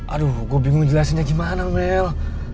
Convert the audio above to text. aduh gue bingung jelasinnya gimana amel